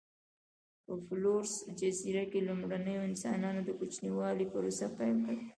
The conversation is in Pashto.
په فلورس جزیره کې لومړنیو انسانانو د کوچنیوالي پروسه پیل کړه.